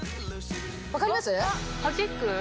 分かります？